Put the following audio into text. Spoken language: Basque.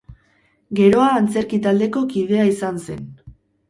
Geroa antzerki taldeko kidea izan zen.